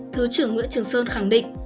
thứ trưởng nguyễn trường sơn khẳng định